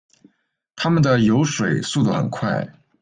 它们的游水速度很快。